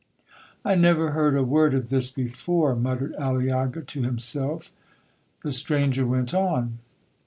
'—'I never heard a word of this before,' muttered Aliaga to himself. The stranger went on.